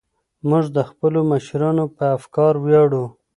موږ د خپلو مشرانو په افکارو ویاړو.